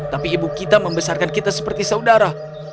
tapi ibu kita membesarkan kita seperti saudara